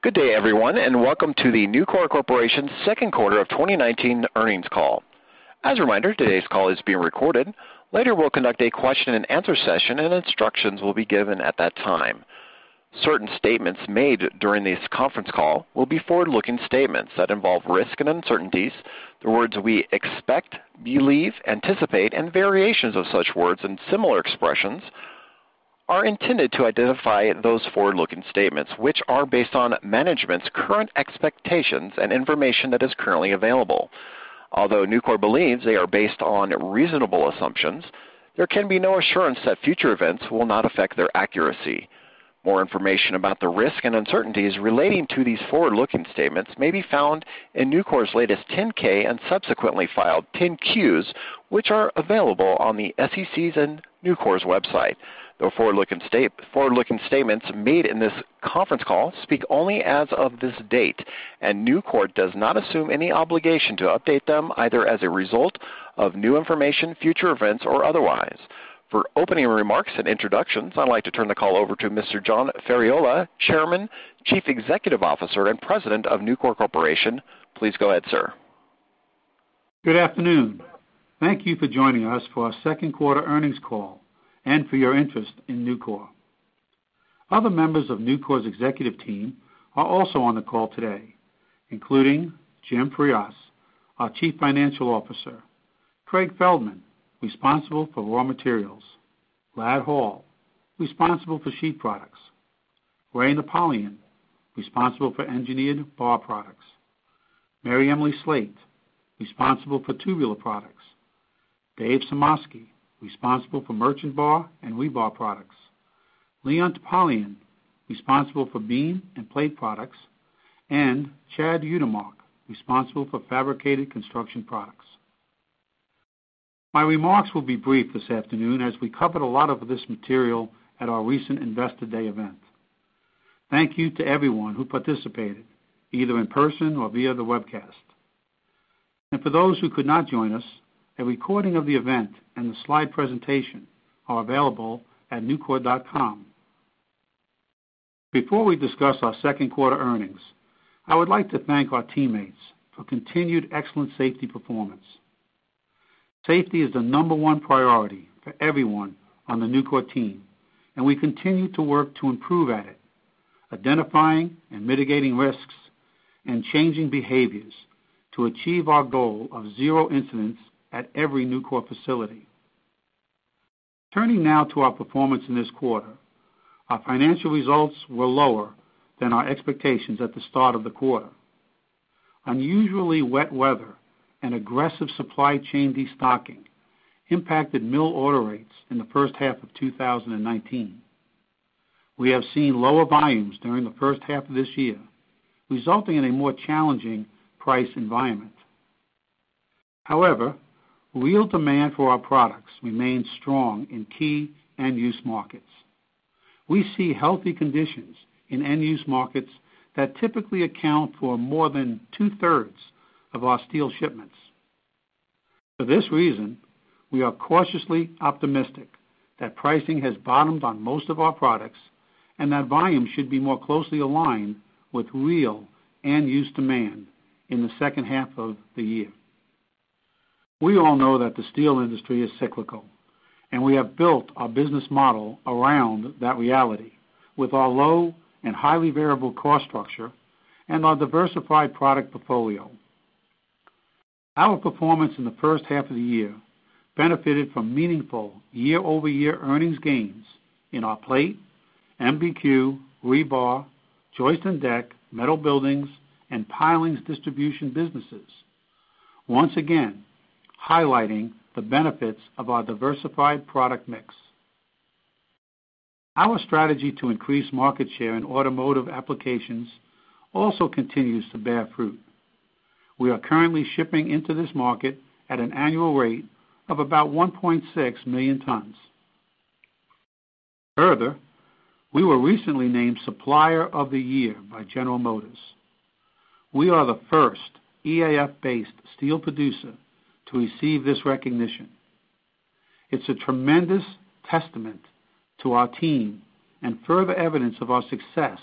Good day, everyone, and welcome to the Nucor Corporation second quarter of 2019 earnings call. As a reminder, today's call is being recorded. Later, we'll conduct a question and answer session, and instructions will be given at that time. Certain statements made during this conference call will be forward-looking statements that involve risks and uncertainties. The words we expect, believe, anticipate, and variations of such words and similar expressions are intended to identify those forward-looking statements, which are based on management's current expectations and information that is currently available. Although Nucor believes they are based on reasonable assumptions, there can be no assurance that future events will not affect their accuracy. More information about the risks and uncertainties relating to these forward-looking statements may be found in Nucor's latest 10-K and subsequently filed 10-Qs, which are available on the SEC's and Nucor's website. The forward-looking statements made in this conference call speak only as of this date, and Nucor does not assume any obligation to update them either as a result of new information, future events, or otherwise. For opening remarks and introductions, I'd like to turn the call over to Mr. John Ferriola, Chairman, Chief Executive Officer, and President of Nucor Corporation. Please go ahead, sir. Good afternoon. Thank you for joining us for our second quarter earnings call and for your interest in Nucor. Other members of Nucor's executive team are also on the call today, including Jim Frias, our Chief Financial Officer, Craig Feldman, responsible for raw materials, Ladd Hall, responsible for sheet products, Ray Napolitan, responsible for engineered bar products, MaryEmily Slate, responsible for tubular products, Dave Sumoski, responsible for merchant bar and rebar products, Leon Topalian, responsible for beam and plate products, and Chad Utermark, responsible for fabricated construction products. My remarks will be brief this afternoon as we covered a lot of this material at our recent Investor Day event. Thank you to everyone who participated, either in person or via the webcast. For those who could not join us, a recording of the event and the slide presentation are available at nucor.com. Before we discuss our second quarter earnings, I would like to thank our teammates for continued excellent safety performance. Safety is the number one priority for everyone on the Nucor team, and we continue to work to improve at it, identifying and mitigating risks, and changing behaviors to achieve our goal of zero incidents at every Nucor facility. Turning now to our performance in this quarter. Our financial results were lower than our expectations at the start of the quarter. Unusually wet weather and aggressive supply chain destocking impacted mill order rates in the first half of 2019. We have seen lower volumes during the first half of this year, resulting in a more challenging price environment. However, real demand for our products remains strong in key end-use markets. We see healthy conditions in end-use markets that typically account for more than two-thirds of our steel shipments. For this reason, we are cautiously optimistic that pricing has bottomed on most of our products and that volume should be more closely aligned with real end-use demand in the second half of the year. We all know that the steel industry is cyclical, and we have built our business model around that reality, with our low and highly variable cost structure and our diversified product portfolio. Our performance in the first half of the year benefited from meaningful year-over-year earnings gains in our plate, MBQ, rebar, joist and deck, metal buildings, and pilings distribution businesses. Once again, highlighting the benefits of our diversified product mix. Our strategy to increase market share in automotive applications also continues to bear fruit. We are currently shipping into this market at an annual rate of about 1.6 million tons. Further, we were recently named Supplier of the Year by General Motors. We are the first EAF-based steel producer to receive this recognition. It's a tremendous testament to our team and further evidence of our success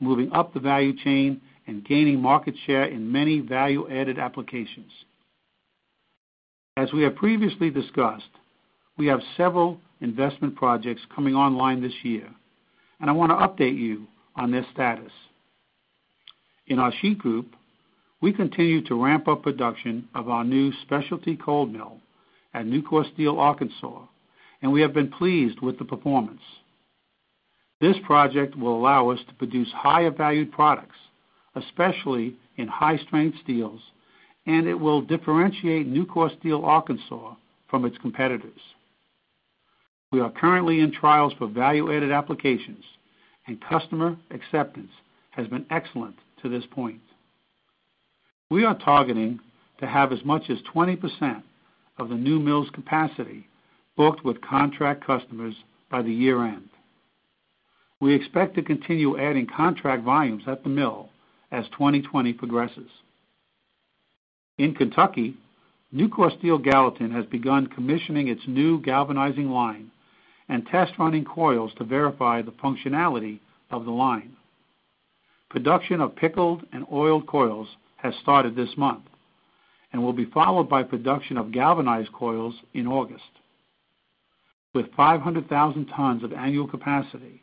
moving up the value chain and gaining market share in many value-added applications. As we have previously discussed, we have several investment projects coming online this year, and I want to update you on their status. In our sheet group, we continue to ramp up production of our new specialty cold mill at Nucor Steel Arkansas, and we have been pleased with the performance. This project will allow us to produce higher-valued products, especially in high-strength steels, and it will differentiate Nucor Steel Arkansas from its competitors. We are currently in trials for value-added applications, and customer acceptance has been excellent to this point. We are targeting to have as much as 20% of the new mill's capacity booked with contract customers by the year-end. We expect to continue adding contract volumes at the mill as 2020 progresses. In Kentucky, Nucor Steel Gallatin has begun commissioning its new galvanizing line and test running coils to verify the functionality of the line. Production of pickled and oiled coils has started this month and will be followed by production of galvanized coils in August. With 500,000 tons of annual capacity,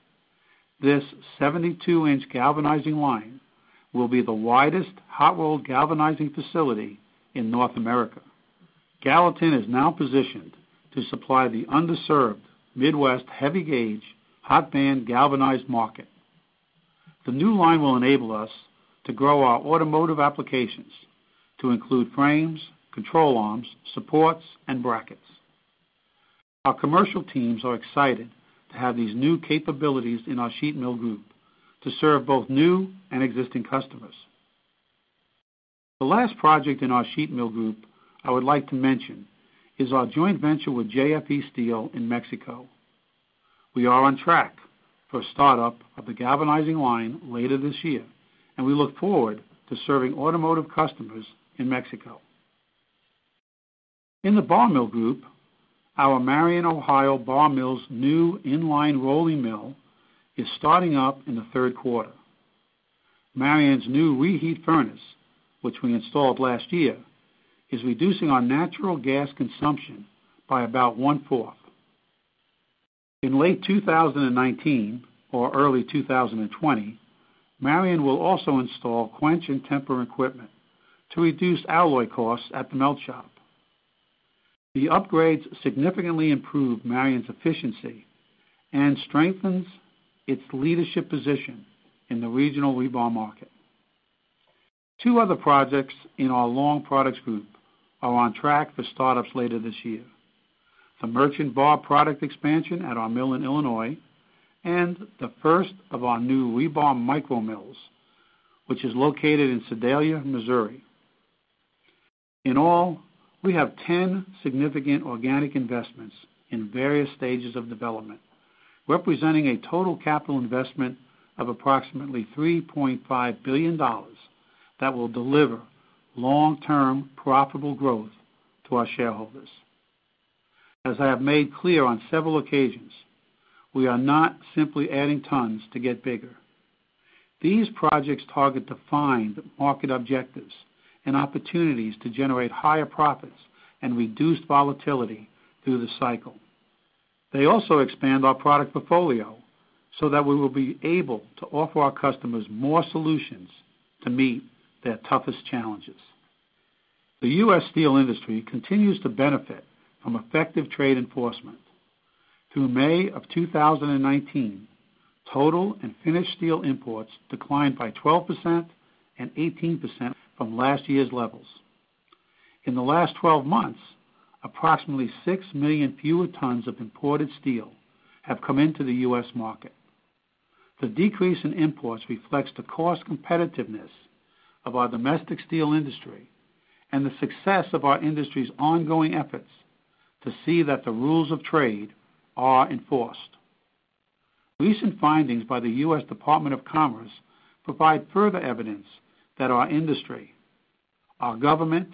this 72-inch galvanizing line will be the widest hot-rolled galvanizing facility in North America. Gallatin is now positioned to supply the underserved Midwest heavy gauge, hot-band galvanized market. The new line will enable us to grow our automotive applications to include frames, control arms, supports, and brackets. Our commercial teams are excited to have these new capabilities in our sheet mill group to serve both new and existing customers. The last project in our sheet mill group I would like to mention is our joint venture with JFE Steel in Mexico. We are on track for startup of the galvanizing line later this year, and we look forward to serving automotive customers in Mexico. In the bar mill group, our Marion, Ohio bar mill's new in-line rolling mill is starting up in the third quarter. Marion's new reheat furnace, which we installed last year, is reducing our natural gas consumption by about one-fourth. In late 2019 or early 2020, Marion will also install quench and temper equipment to reduce alloy costs at the melt shop. The upgrades significantly improve Marion's efficiency and strengthens its leadership position in the regional rebar market. Two other projects in our long products group are on track for startups later this year. The merchant bar product expansion at our mill in Illinois and the first of our new rebar micro mills, which is located in Sedalia, Missouri. In all, we have 10 significant organic investments in various stages of development, representing a total capital investment of approximately $3.5 billion that will deliver long-term profitable growth to our shareholders. As I have made clear on several occasions, we are not simply adding tons to get bigger. These projects target defined market objectives and opportunities to generate higher profits and reduce volatility through the cycle. They also expand our product portfolio so that we will be able to offer our customers more solutions to meet their toughest challenges. The U.S. steel industry continues to benefit from effective trade enforcement. Through May of 2019, total and finished steel imports declined by 12% and 18% from last year's levels. In the last 12 months, approximately 6 million fewer tons of imported steel have come into the U.S. market. The decrease in imports reflects the cost competitiveness of our domestic steel industry and the success of our industry's ongoing efforts to see that the rules of trade are enforced. Recent findings by the U.S. Department of Commerce provide further evidence that our industry, our government,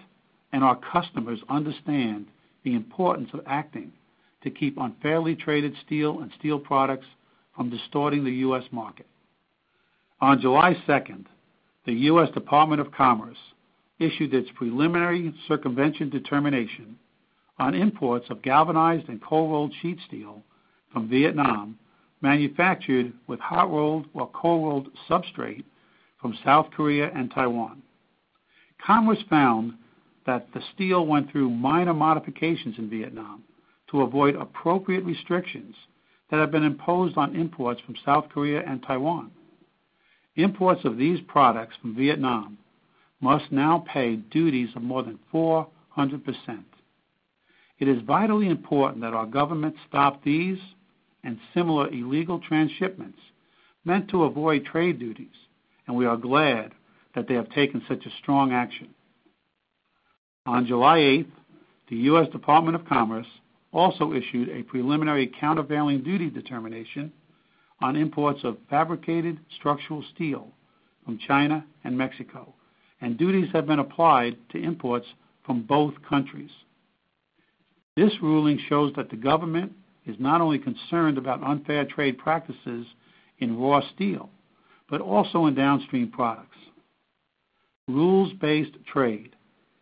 and our customers understand the importance of acting to keep unfairly traded steel and steel products from distorting the U.S. market. On July 2nd, the U.S. Department of Commerce issued its preliminary circumvention determination on imports of galvanized and cold-rolled sheet steel from Vietnam manufactured with hot-rolled or cold-rolled substrate from South Korea and Taiwan. Congress found that the steel went through minor modifications in Vietnam to avoid appropriate restrictions that have been imposed on imports from South Korea and Taiwan. Imports of these products from Vietnam must now pay duties of more than 400%. It is vitally important that our government stop these and similar illegal transshipments meant to avoid trade duties, and we are glad that they have taken such a strong action. On July 8th, the U.S. Department of Commerce also issued a preliminary countervailing duty determination on imports of fabricated structural steel from China and Mexico, and duties have been applied to imports from both countries. This ruling shows that the government is not only concerned about unfair trade practices in raw steel but also in downstream products. Rules-based trade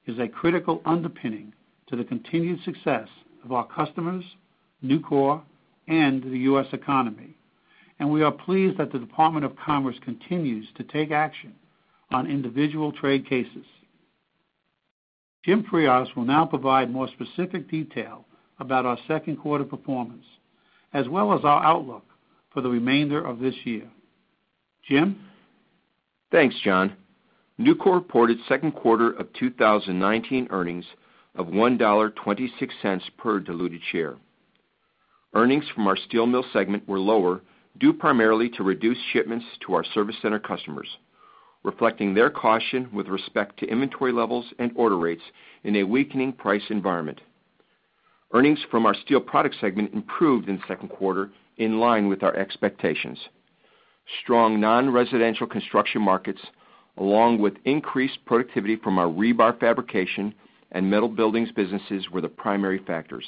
is a critical underpinning to the continued success of our customers, Nucor, and the U.S. economy, and we are pleased that the Department of Commerce continues to take action on individual trade cases. Jim Frias will now provide more specific detail about our second quarter performance, as well as our outlook for the remainder of this year. Jim? Thanks, John. Nucor reported second quarter of 2019 earnings of $1.26 per diluted share. Earnings from our steel mill segment were lower due primarily to reduced shipments to our service center customers, reflecting their caution with respect to inventory levels and order rates in a weakening price environment. Earnings from our steel product segment improved in the second quarter in line with our expectations. Strong non-residential construction markets, along with increased productivity from our rebar fabrication and metal buildings businesses, were the primary factors.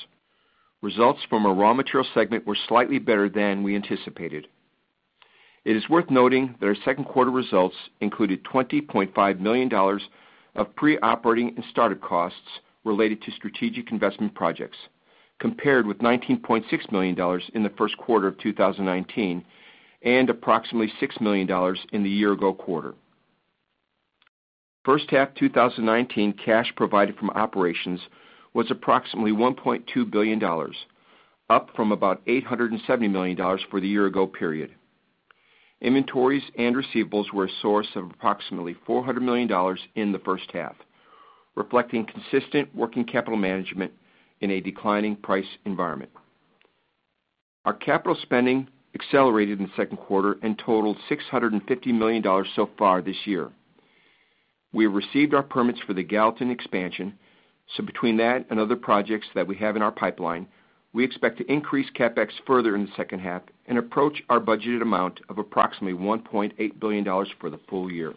Results from our raw material segment were slightly better than we anticipated. It is worth noting that our second quarter results included $20.5 million of pre-operating and startup costs related to strategic investment projects, compared with $19.6 million in the first quarter of 2019, and approximately $6 million in the year-ago quarter. First half 2019 cash provided from operations was approximately $1.2 billion, up from about $870 million for the year-ago period. Inventories and receivables were a source of approximately $400 million in the first half, reflecting consistent working capital management in a declining price environment. Our capital spending accelerated in the second quarter and totaled $650 million so far this year. Between that and other projects that we have in our pipeline, we expect to increase CapEx further in the second half and approach our budgeted amount of approximately $1.8 billion for the full year.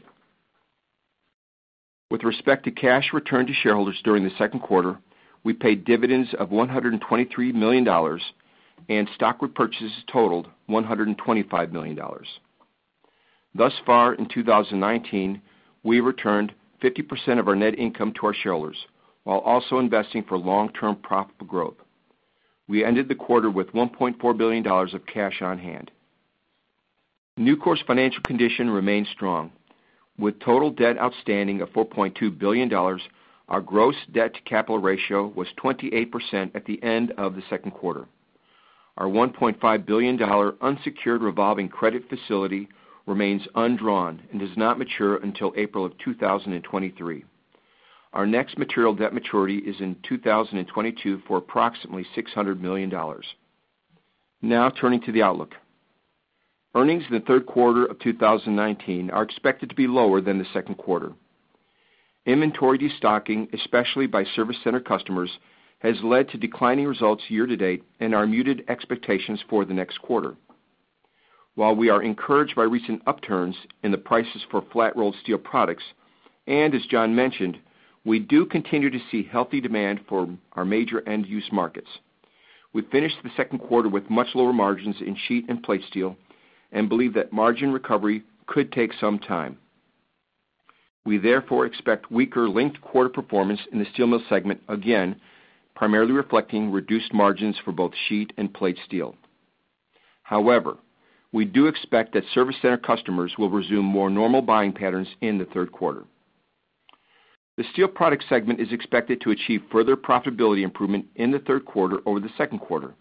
With respect to cash returned to shareholders during the second quarter, we paid dividends of $123 million, and stock repurchases totaled $125 million. Thus far in 2019, we returned 50% of our net income to our shareholders while also investing for long-term profitable growth. We ended the quarter with $1.4 billion of cash on hand. Nucor's financial condition remains strong. With total debt outstanding of $4.2 billion, our gross debt-to-capital ratio was 28% at the end of the second quarter. Our $1.5 billion unsecured revolving credit facility remains undrawn and does not mature until April of 2023. Our next material debt maturity is in 2022 for approximately $600 million. Turning to the outlook. Earnings in the third quarter of 2019 are expected to be lower than the second quarter. Inventory destocking, especially by service center customers, has led to declining results year-to-date and our muted expectations for the next quarter. While we are encouraged by recent upturns in the prices for flat rolled steel products, and as John mentioned, we do continue to see healthy demand for our major end-use markets. We finished the second quarter with much lower margins in sheet and plate steel and believe that margin recovery could take some time. We therefore expect weaker linked-quarter performance in the steel mill segment, again, primarily reflecting reduced margins for both sheet and plate steel. We do expect that service center customers will resume more normal buying patterns in the third quarter. The steel products segment is expected to achieve further profitability improvement in the third quarter over the second quarter.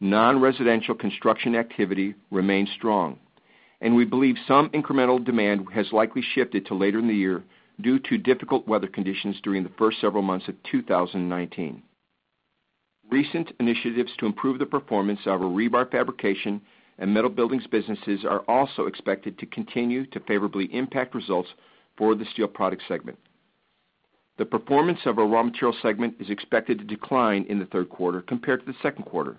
Non-residential construction activity remains strong, and we believe some incremental demand has likely shifted to later in the year due to difficult weather conditions during the first several months of 2019. Recent initiatives to improve the performance of our rebar fabrication and metal buildings businesses are also expected to continue to favorably impact results for the steel products segment. The performance of our raw material segment is expected to decline in the third quarter compared to the second quarter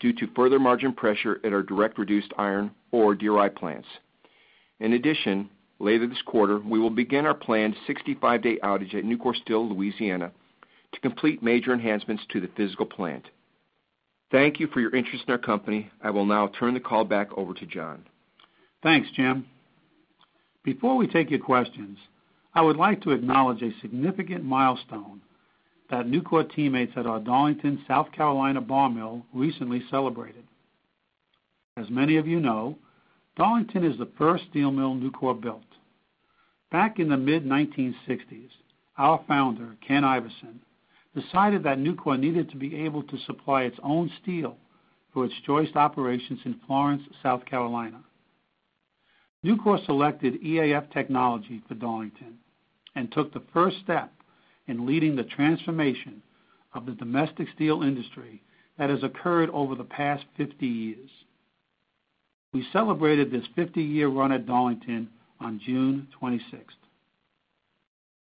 due to further margin pressure at our direct reduced iron, or DRI plants. In addition, later this quarter, we will begin our planned 65-day outage at Nucor Steel Louisiana to complete major enhancements to the physical plant. Thank you for your interest in our company. I will now turn the call back over to John. Thanks, Jim. Before we take your questions, I would like to acknowledge a significant milestone that Nucor teammates at our Darlington, South Carolina bar mill recently celebrated. As many of you know, Darlington is the first steel mill Nucor built. Back in the mid-1960s, our founder, Ken Iverson, decided that Nucor needed to be able to supply its own steel for its joist operations in Florence, South Carolina. Nucor selected EAF technology for Darlington and took the first step in leading the transformation of the domestic steel industry that has occurred over the past 50 years. We celebrated this 50-year run at Darlington on June 26th.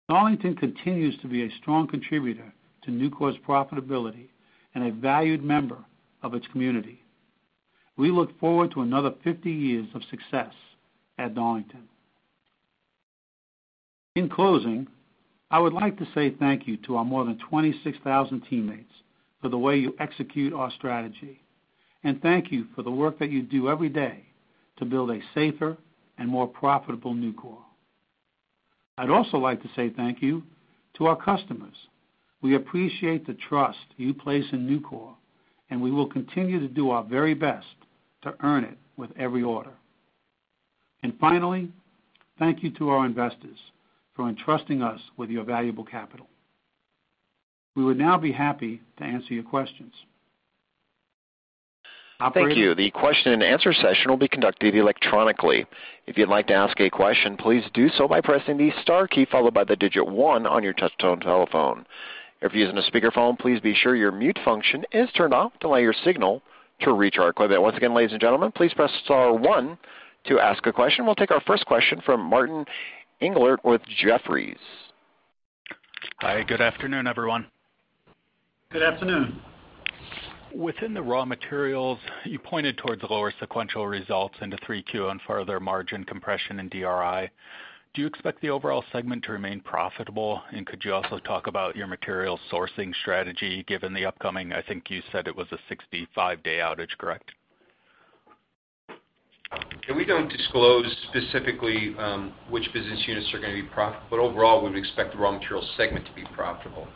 Darlington continues to be a strong contributor to Nucor's profitability and a valued member of its community. We look forward to another 50 years of success at Darlington. In closing, I would like to say thank you to our more than 26,000 teammates for the way you execute our strategy, thank you for the work that you do every day to build a safer and more profitable Nucor. I'd also like to say thank you to our customers. We appreciate the trust you place in Nucor, we will continue to do our very best to earn it with every order. Finally, thank you to our investors for entrusting us with your valuable capital. We would now be happy to answer your questions. Operator? Thank you. The question-and-answer session will be conducted electronically. If you'd like to ask a question, please do so by pressing the star key followed by the digit one on your touchtone telephone. If you're using a speakerphone, please be sure your mute function is turned off to allow your signal to reach our queue. Once again, ladies and gentlemen, please press star one to ask a question. We'll take our first question from Martin. Englert with Jefferies. Hi, good afternoon, everyone. Good afternoon. Within the raw materials, you pointed towards lower sequential results into 3Q on further margin compression in DRI. Do you expect the overall segment to remain profitable? Could you also talk about your material sourcing strategy given the upcoming, I think you said it was a 65-day outage, correct? We don't disclose specifically, which business units are going to be profitable. Overall, we would expect the raw material segment to be profitable.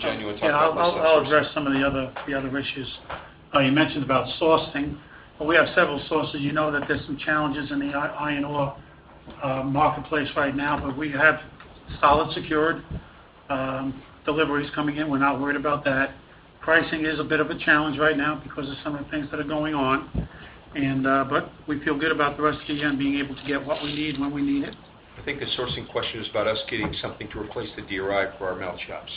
John, you want to talk about- Yeah, I'll address some of the other issues. You mentioned about sourcing. Well, we have several sources. You know that there's some challenges in the iron ore marketplace right now, but we have solid secured deliveries coming in. We're not worried about that. Pricing is a bit of a challenge right now because of some of the things that are going on. We feel good about the rest of the year and being able to get what we need when we need it. I think the sourcing question is about us getting something to replace the DRI for our melt shops.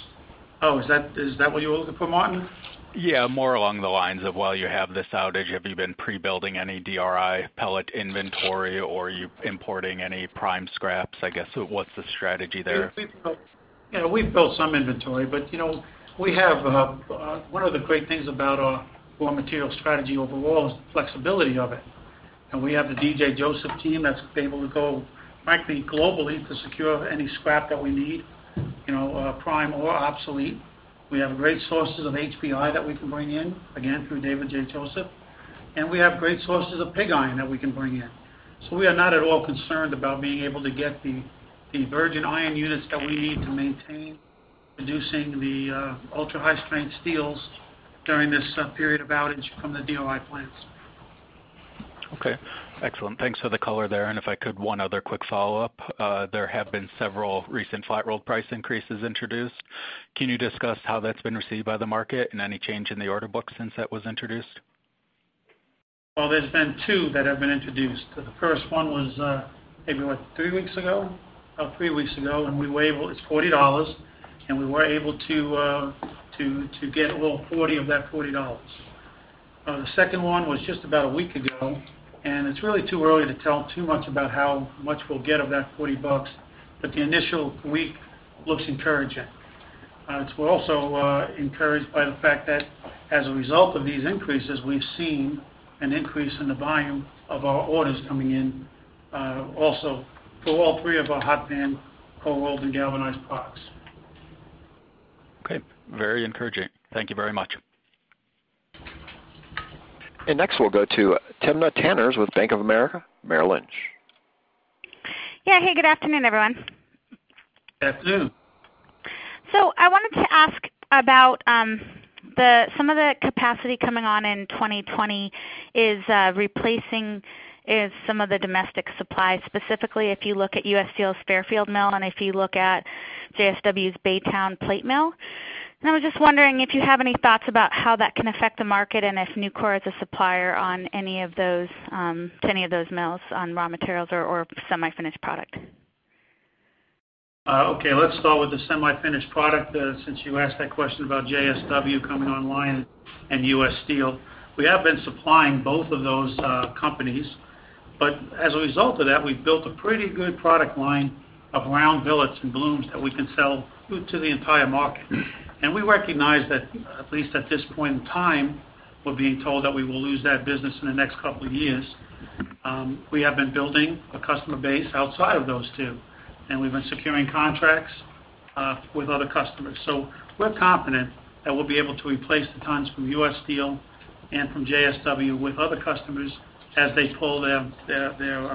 Oh, is that what you were looking for, Martin? Yeah, more along the lines of while you have this outage, have you been pre-building any DRI pellet inventory, or are you importing any prime scrap? I guess, what's the strategy there? Yeah, we've built some inventory. One of the great things about our raw material strategy overall is the flexibility of it, and we have the DJ Joseph team that's able to go frankly globally to secure any scrap that we need, prime or obsolete. We have great sources of HBI that we can bring in, again, through David J. Joseph. We have great sources of pig iron that we can bring in. We are not at all concerned about being able to get the virgin iron units that we need to maintain, producing the ultra-high-strength steels during this period of outage from the DRI plants. Okay. Excellent. Thanks for the color there. If I could, one other quick follow-up. There have been several recent flat-rolled price increases introduced. Can you discuss how that's been received by the market and any change in the order book since that was introduced? Well, there's been two that have been introduced. The first one was, maybe what, three weeks ago? About three weeks ago, it's $40, and we were able to get all 40 of that $40. The second one was just about a week ago, it's really too early to tell too much about how much we'll get of that $40, but the initial week looks encouraging. We're also encouraged by the fact that as a result of these increases, we've seen an increase in the volume of our orders coming in also for all three of our hot band, cold rolled, and galvanized products. Okay. Very encouraging. Thank you very much. Next, we'll go to Timna Tanners with Bank of America Merrill Lynch. Yeah. Hey, good afternoon, everyone. Afternoon. I wanted to ask about some of the capacity coming on in 2020 is replacing some of the domestic supply, specifically if you look at U. S. Steel's Fairfield mill, and if you look at JSW's Baytown plate mill. I was just wondering if you have any thoughts about how that can affect the market and if Nucor is a supplier to any of those mills on raw materials or semi-finished product. Okay, let's start with the semi-finished product, since you asked that question about JSW coming online and U. S. Steel. We have been supplying both of those companies. As a result of that, we've built a pretty good product line of round billets and blooms that we can sell to the entire market. We recognize that, at least at this point in time, we're being told that we will lose that business in the next couple of years. We have been building a customer base outside of those two, and we've been securing contracts with other customers. We're confident that we'll be able to replace the tons from U. S. Steel and from JSW with other customers as they pull their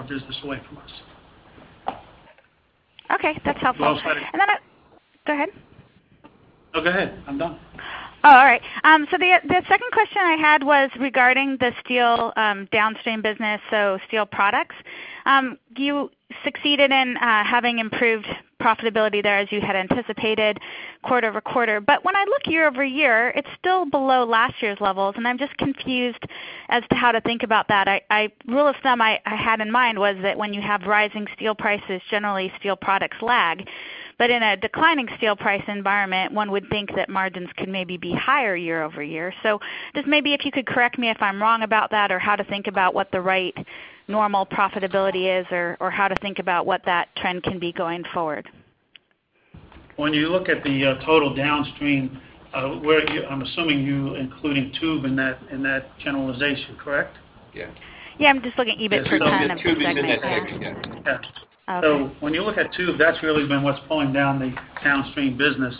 business away from us. Okay, that's helpful. Well said. Go ahead. No, go ahead. I'm done. All right. The second question I had was regarding the steel downstream business, steel products. You succeeded in having improved profitability there as you had anticipated quarter-over-quarter. When I look year-over-year, it's still below last year's levels, and I'm just confused as to how to think about that. Rule of thumb I had in mind was that when you have rising steel prices, generally steel products lag. In a declining steel price environment, one would think that margins could maybe be higher year-over-year. Just maybe if you could correct me if I'm wrong about that or how to think about what the right normal profitability is or how to think about what that trend can be going forward. When you look at the total downstream, I'm assuming you including tube in that generalization, correct? Yeah. Yeah, I'm just looking at EBIT per ton. There's something with tube in that picture, yeah. Yeah. Okay. When you look at tube, that's really been what's pulling down the downstream business.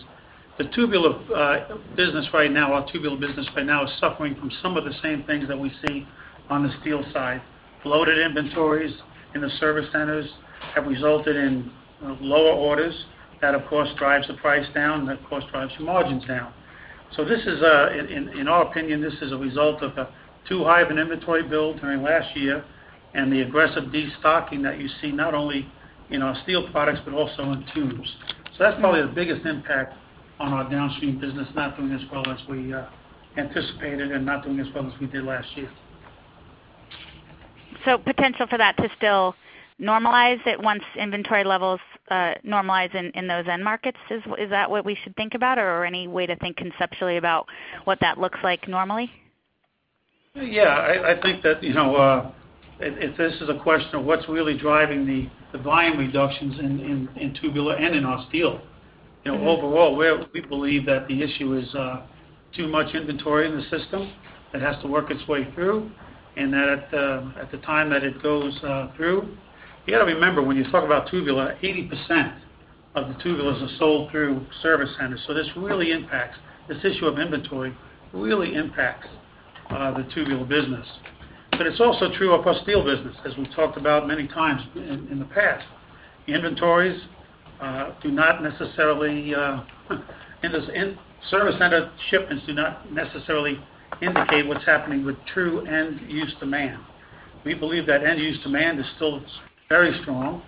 The tubular business right now is suffering from some of the same things that we see on the steel side. Bloated inventories in the service centers have resulted in lower orders. That, of course, drives the price down, that, of course, drives the margins down. In our opinion, this is a result of a too high of an inventory build during last year and the aggressive destocking that you see not only in our steel products but also in tubes. That's probably the biggest impact on our downstream business not doing as well as we anticipated and not doing as well as we did last year. Potential for that to still normalize at once inventory levels normalize in those end markets, is that what we should think about? Any way to think conceptually about what that looks like normally? Yeah, I think that if this is a question of what's really driving the volume reductions in tubular and in our steel, overall, we believe that the issue is too much inventory in the system that has to work its way through, and that at the time that it goes through. You got to remember, when you talk about tubular, 80% of the tubulars are sold through service centers, so this issue of inventory really impacts the tubular business. It's also true of our steel business, as we've talked about many times in the past. Service center shipments do not necessarily indicate what's happening with true end-use demand. We believe that end-use demand is still very strong.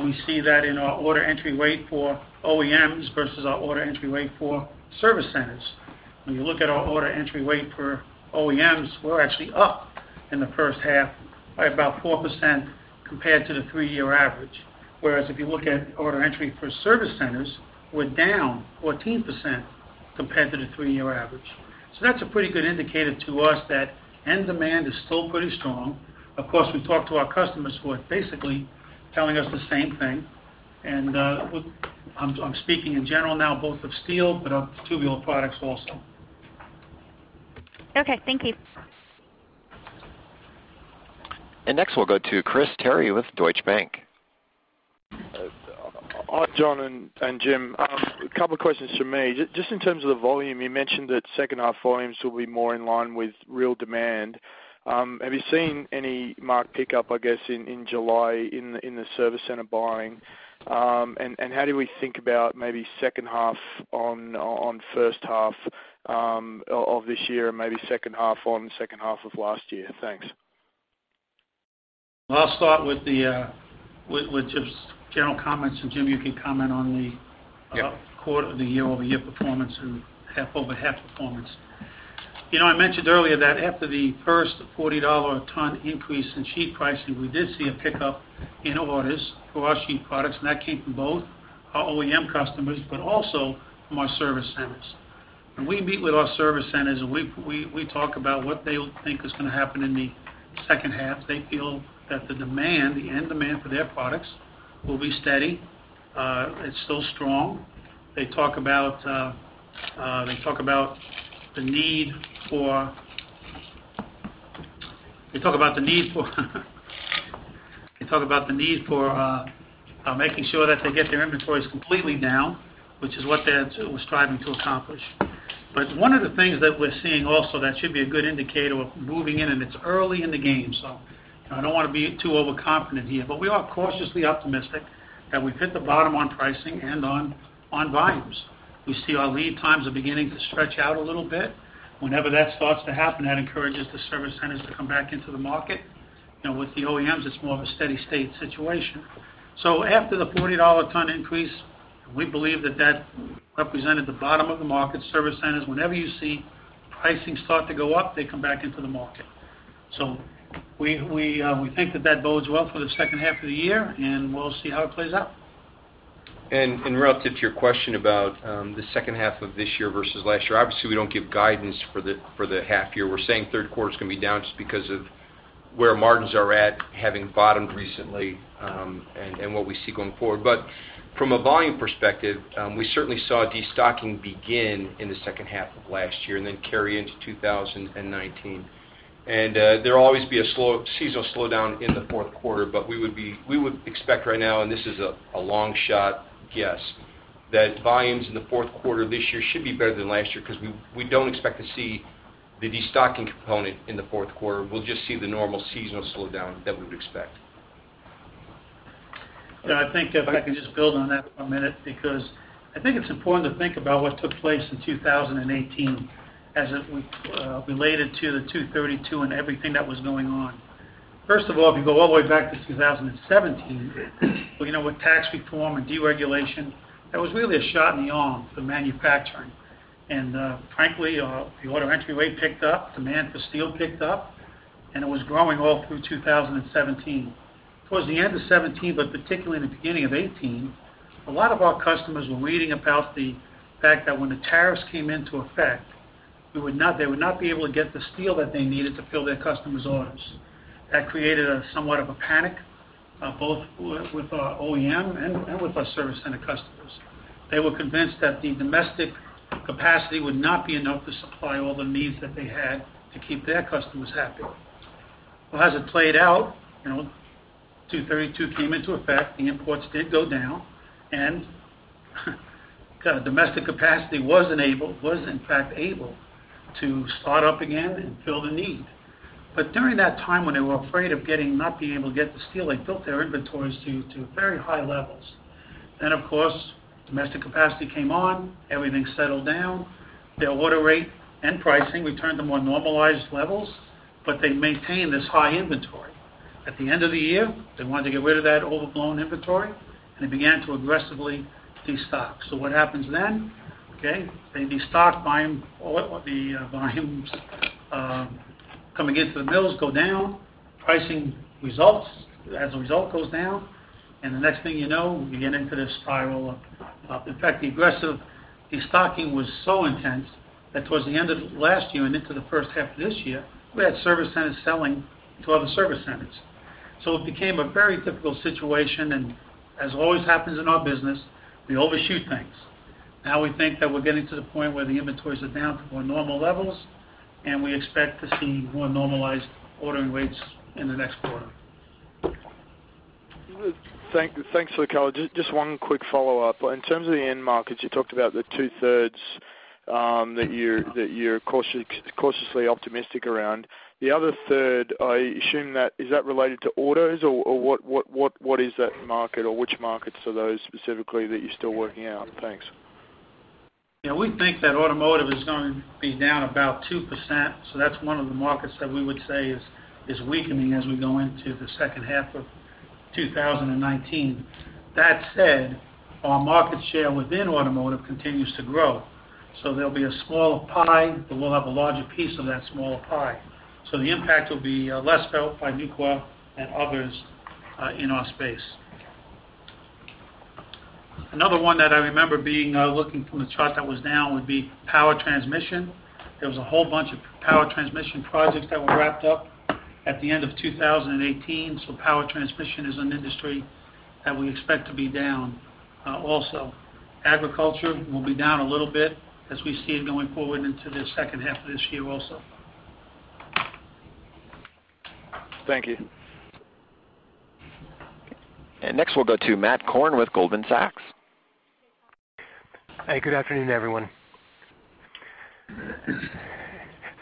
We see that in our order entry rate for OEMs versus our order entry rate for service centers. When you look at our order entry rate for OEMs, we're actually up in the first half by about 4% compared to the three-year average. Whereas if you look at order entry for service centers, we're down 14% compared to the three-year average. That's a pretty good indicator to us that end demand is still pretty strong. Of course, we've talked to our customers who are basically telling us the same thing. I'm speaking in general now both of steel, but of Tubular Products also. Okay. Thank you. Next, we'll go to Chris Terry with Deutsche Bank. Hi, John and Jim. A couple questions from me. Just in terms of the volume, you mentioned that second half volumes will be more in line with real demand. Have you seen any marked pickup, I guess, in July in the service center buying? How do we think about maybe second half on first half of this year and maybe second half on second half of last year? Thanks. I'll start with just general comments, and Jim, you can comment on. Yeah quarter or the year-over-year performance and half-over-half performance. I mentioned earlier that after the first $40 a ton increase in sheet pricing, we did see a pickup in orders for our sheet products, and that came from both our OEM customers, but also from our service centers. When we meet with our service centers, and we talk about what they think is going to happen in the second half, they feel that the end demand for their products will be steady. It's still strong. They talk about the need for making sure that they get their inventories completely down, which is what they're striving to accomplish. One of the things that we're seeing also that should be a good indicator of moving in, and it's early in the game, so I don't want to be too overconfident here. We are cautiously optimistic that we've hit the bottom on pricing and on volumes. We see our lead times are beginning to stretch out a little bit. Whenever that starts to happen, that encourages the service centers to come back into the market. With the OEMs, it's more of a steady state situation. After the $40 a ton increase, we believe that that represented the bottom of the market. Service centers, whenever you see pricing start to go up, they come back into the market. We think that that bodes well for the second half of the year, and we'll see how it plays out. Relative to your question about the second half of this year versus last year, obviously, we don't give guidance for the half year. We're saying third quarter is going to be down just because of where margins are at, having bottomed recently, and what we see going forward. From a volume perspective, we certainly saw de-stocking begin in the second half of last year and then carry into 2019. There'll always be a seasonal slowdown in the fourth quarter, but we would expect right now, and this is a long shot guess, that volumes in the fourth quarter of this year should be better than last year because we don't expect to see the de-stocking component in the fourth quarter. We'll just see the normal seasonal slowdown that we would expect. Yeah, I think if I can just build on that for a minute, because I think it's important to think about what took place in 2018 as it related to the 232 and everything that was going on. First of all, if you go all the way back to 2017, with tax reform and deregulation, that was really a shot in the arm for manufacturing. Frankly, the order entry rate picked up, demand for steel picked up, and it was growing all through 2017. Towards the end of 2017, but particularly in the beginning of 2018, a lot of our customers were reading about the fact that when the tariffs came into effect, they would not be able to get the steel that they needed to fill their customers' orders. That created somewhat of a panic, both with our OEM and with our service center customers. They were convinced that the domestic capacity would not be enough to supply all the needs that they had to keep their customers happy. As it played out, 232 came into effect, the imports did go down, and domestic capacity was, in fact, able to start up again and fill the need. During that time when they were afraid of not being able to get the steel, they built their inventories to very high levels. Of course, domestic capacity came on, everything settled down. Their order rate and pricing returned to more normalized levels, but they maintained this high inventory. At the end of the year, they wanted to get rid of that overblown inventory, and they began to aggressively de-stock. What happens then? They de-stock, the volumes coming into the mills go down. Pricing results as a result goes down. The next thing you know, you get into this spiral up. In fact, the aggressive destocking was so intense that towards the end of last year and into the first half of this year, we had service centers selling to other service centers. It became a very difficult situation, and as always happens in our business, we overshoot things. We think that we're getting to the point where the inventories are down to more normal levels, and we expect to see more normalized ordering rates in the next quarter. Thanks, Luca. Just one quick follow-up. In terms of the end markets, you talked about the 2/3 that you're cautiously optimistic around. The other 1/3, I assume that, is that related to autos? What is that market or which markets are those specifically that you're still working out? Thanks. Yeah. We think that automotive is going to be down about 2%, so that's one of the markets that we would say is weakening as we go into the second half of 2019. That said, our market share within automotive continues to grow. So there'll be a smaller pie, but we'll have a larger piece of that smaller pie. So the impact will be less felt by Nucor and others in our space. Another one that I remember being, looking from the chart that was down would be power transmission. There was a whole bunch of power transmission projects that were wrapped up at the end of 2018, so power transmission is an industry that we expect to be down also. Agriculture will be down a little bit as we see it going forward into the second half of this year also. Thank you. Next, we'll go to Matthew Korn with Goldman Sachs. Hey, good afternoon, everyone.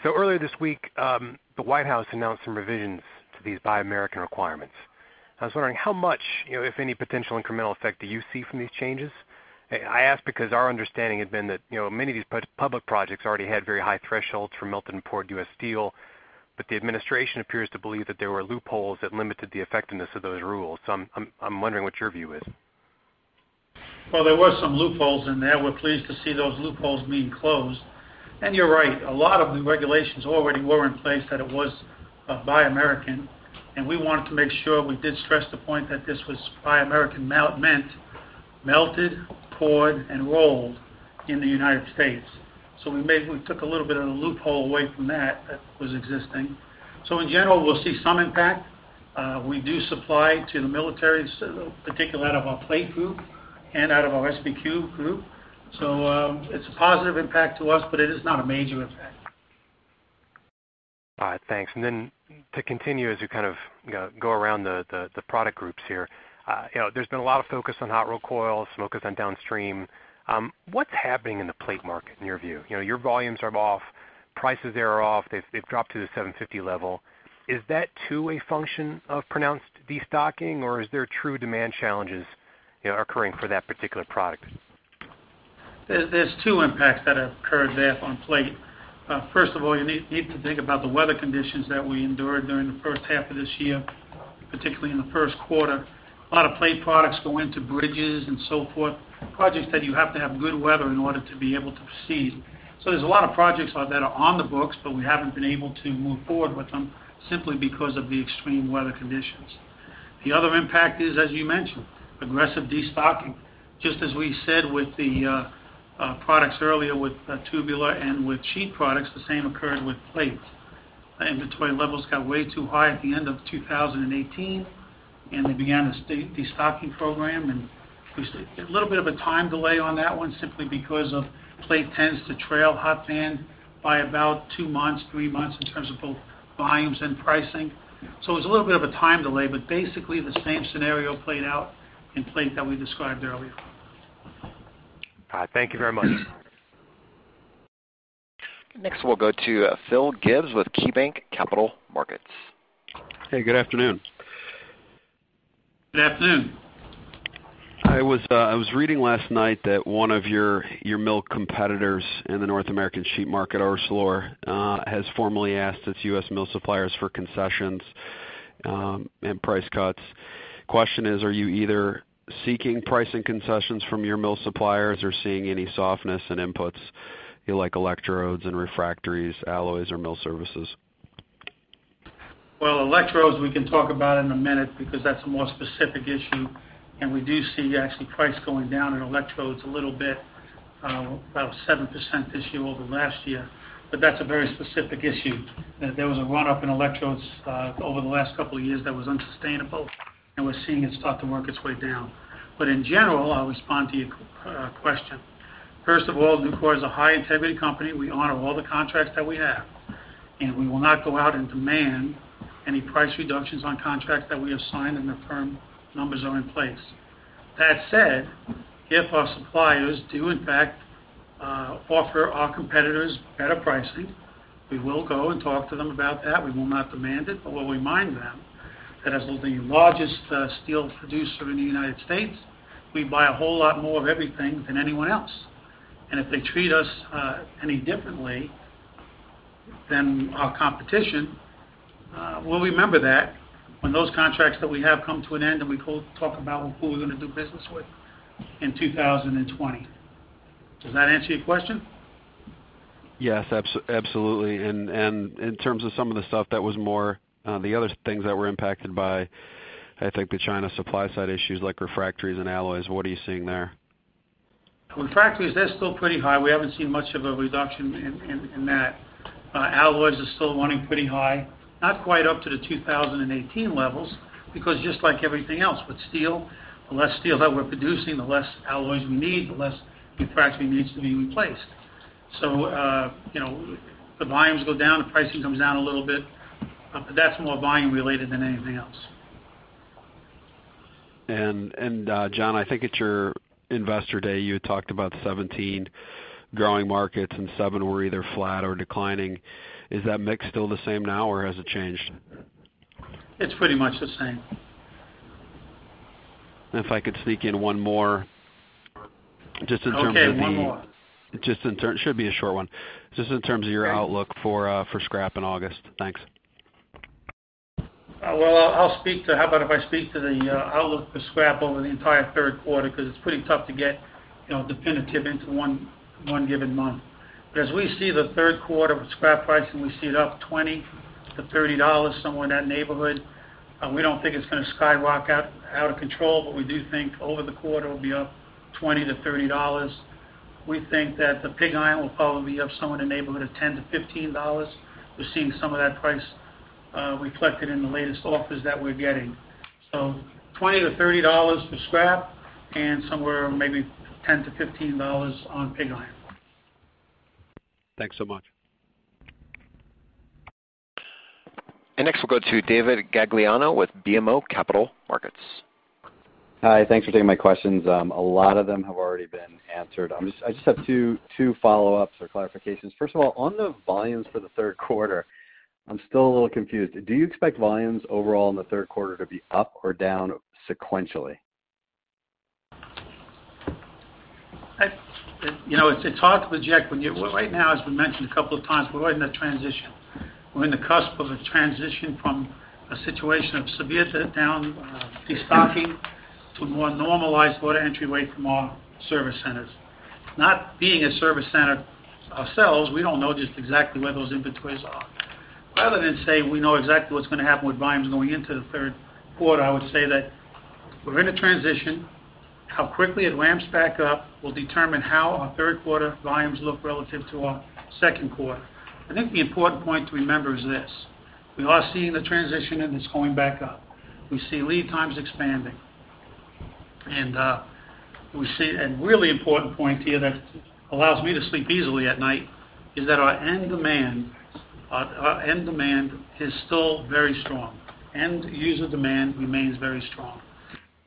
Earlier this week, the White House announced some revisions to these Buy American requirements. I was wondering how much, if any, potential incremental effect do you see from these changes? I ask because our understanding had been that many of these public projects already had very high thresholds for melted and poured U.S. steel, but the administration appears to believe that there were loopholes that limited the effectiveness of those rules. I'm wondering what your view is. There was some loopholes in there. We're pleased to see those loopholes being closed. You're right, a lot of the regulations already were in place that it was a Buy American, and we wanted to make sure we did stress the point that this was Buy American meant, melted, poured, and rolled in the United States. We took a little bit of the loophole away from that was existing. In general, we'll see some impact. We do supply to the military, particularly out of our plate group and out of our SBQ group. It's a positive impact to us, but it is not a major impact. All right. Thanks. To continue as you go around the product groups here. There's been a lot of focus on hot-rolled coil, some focus on downstream. What's happening in the plate market in your view? Your volumes are off, prices there are off. They've dropped to the $750 level. Is that too a function of pronounced destocking, or is there true demand challenges occurring for that particular product? There's two impacts that occurred there on plate. First of all, you need to think about the weather conditions that we endured during the first half of this year, particularly in the first quarter. A lot of plate products go into bridges and so forth, projects that you have to have good weather in order to be able to proceed. There's a lot of projects that are on the books, but we haven't been able to move forward with them simply because of the extreme weather conditions. The other impact is, as you mentioned, aggressive destocking. Just as we said with the products earlier with tubular and with sheet products, the same occurred with plate. Inventory levels got way too high at the end of 2018. We began a destocking program, and we see a little bit of a time delay on that one simply because plate tends to trail hot band by about two months, three months in terms of both volumes and pricing. It's a little bit of a time delay, but basically the same scenario played out in plate that we described earlier. All right. Thank you very much. We'll go to Phil Gibbs with KeyBanc Capital Markets. Hey, good afternoon. Good afternoon. I was reading last night that one of your mill competitors in the North American sheet market, ArcelorMittal, has formally asked its U.S. mill suppliers for concessions and price cuts. Question is, are you either seeking pricing concessions from your mill suppliers or seeing any softness in inputs like electrodes and refractories, alloys or mill services? Electrodes we can talk about in a minute because that's a more specific issue, we do see actually price going down in electrodes a little bit, about 7% this year over last year. That's a very specific issue. There was a run-up in electrodes over the last couple of years that was unsustainable, we're seeing it start to work its way down. In general, I'll respond to your question. First of all, Nucor is a high-integrity company. We honor all the contracts that we have, we will not go out and demand any price reductions on contracts that we have signed and the firm numbers are in place. That said, if our suppliers do in fact offer our competitors better pricing, we will go and talk to them about that. We will not demand it, we'll remind them that as the largest steel producer in the U.S., we buy a whole lot more of everything than anyone else, if they treat us any differently than our competition, we'll remember that when those contracts that we have come to an end and we talk about who we're going to do business with in 2020. Does that answer your question? Yes, absolutely. In terms of some of the stuff that was the other things that were impacted by, I think, the China supply side issues like refractories and alloys, what are you seeing there? Well, refractories, they're still pretty high. We haven't seen much of a reduction in that. Alloys are still running pretty high, not quite up to the 2018 levels, because just like everything else with steel, the less steel that we're producing, the less alloys we need, the less refractory needs to be replaced. The volumes go down, the pricing comes down a little bit. That's more volume related than anything else. John, I think at your investor day, you had talked about 17 growing markets and seven were either flat or declining. Is that mix still the same now or has it changed? It's pretty much the same. If I could sneak in one more, just in terms of the. Okay, one more. It should be a short one. Just in terms of your outlook for scrap in August. Thanks. Well, how about if I speak to the outlook for scrap over the entire third quarter, because it's pretty tough to get definitive into one given month. As we see the third quarter with scrap pricing, we see it up $20-$30, somewhere in that neighborhood. We don't think it's going to skyrocket out of control, but we do think over the quarter it will be up $20-$30. We think that the pig iron will probably be up somewhere in the neighborhood of $10-$15. We're seeing some of that price reflected in the latest offers that we're getting. $20-$30 for scrap and somewhere maybe $10-$15 on pig iron. Thanks so much. Next we'll go to David Gagliano with BMO Capital Markets. Hi, thanks for taking my questions. A lot of them have already been answered. I just have two follow-ups or clarifications. First of all, on the volumes for the third quarter, I'm still a little confused. Do you expect volumes overall in the third quarter to be up or down sequentially? It's hard to project. Right now, as we mentioned a couple of times, we're right in the transition. We're in the cusp of a transition from a situation of severe down- destocking to more normalized order entry rate from our service centers. Not being a service center ourselves, we don't know just exactly where those inventories are. Rather than say we know exactly what's going to happen with volumes going into the third quarter, I would say that we're in a transition. How quickly it ramps back up will determine how our third quarter volumes look relative to our second quarter. I think the important point to remember is this, we are seeing the transition and it's going back up. We see lead times expanding. We see a really important point here that allows me to sleep easily at night is that our end demand is still very strong. End user demand remains very strong.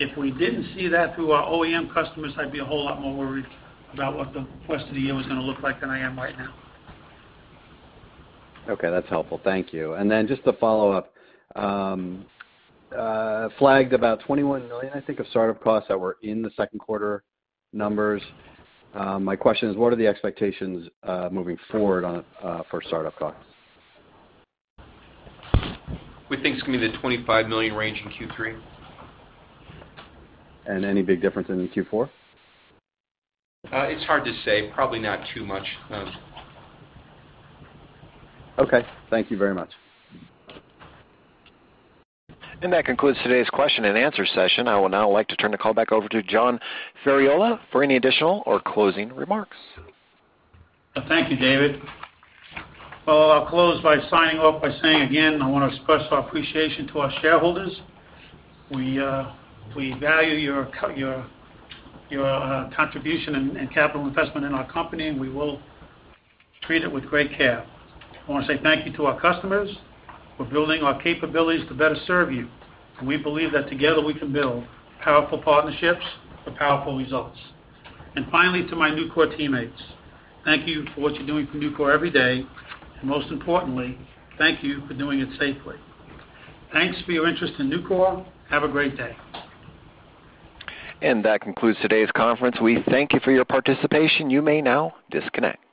If we didn't see that through our OEM customers, I'd be a whole lot more worried about what the rest of the year was going to look like than I am right now. Okay, that's helpful. Thank you. Just to follow up, flagged about $21 million, I think, of startup costs that were in the second quarter numbers. My question is, what are the expectations, moving forward, for startup costs? We think it's going to be in the $25 million range in Q3. Any big difference in Q4? It's hard to say. Probably not too much. Okay. Thank you very much. That concludes today's question and answer session. I would now like to turn the call back over to John Ferriola for any additional or closing remarks. Thank you, David. Well, I'll close by signing off by saying again, I want to express our appreciation to our shareholders. We value your contribution and capital investment in our company, and we will treat it with great care. I want to say thank you to our customers for building our capabilities to better serve you. We believe that together we can build powerful partnerships for powerful results. Finally to my Nucor teammates, thank you for what you're doing for Nucor every day, and most importantly, thank you for doing it safely. Thanks for your interest in Nucor. Have a great day. That concludes today's conference. We thank you for your participation. You may now disconnect.